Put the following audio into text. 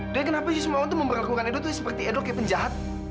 dan kenapa yusmawan tuh memperlakukan ido tuh seperti ido kayak penjahat